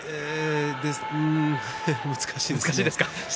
難しいですね。